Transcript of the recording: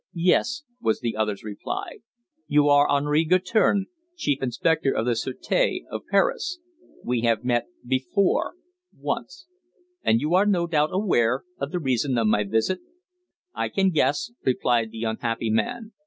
"Yes," was the other's reply. "You are Henri Guertin, chief inspector of the sûreté of Paris. We have met before once." "And you are no doubt aware of the reason of my visit?" "I can guess," replied the unhappy man.